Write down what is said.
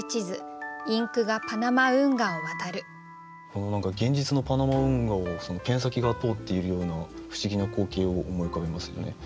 この何か現実のパナマ運河をペン先が通っているような不思議な光景を思い浮かべますよね。